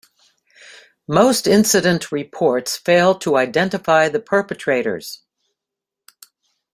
Most incident reports fail to identify the perpetrators.